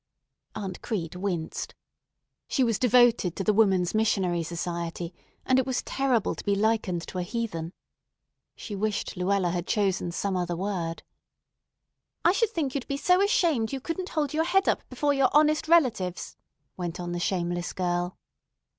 Aunt Crete winced. She was devoted to the Woman's Missionary Society, and it was terrible to be likened to a heathen. She wished Luella had chosen some other word. "I should think you'd be so ashamed you couldn't hold your head up before your honest relatives," went on the shameless girl.